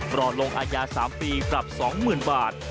รอลงอายา๓ปีปรับ๒๐๐๐บาท